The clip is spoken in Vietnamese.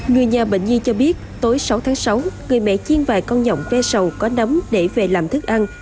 người nhà bệnh nhi cho biết tối sáu tháng sáu người mẹ chiên vài con nhọn ve sầu có nấm để về làm thức ăn